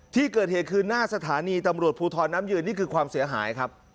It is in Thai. ที่เกิดเหตุคือหน้าสถานีตำรวจภูทรน้ำยืนนี่คือความเสียหายครับ